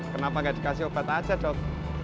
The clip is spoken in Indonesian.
kenapa nggak dikasih obat aja dok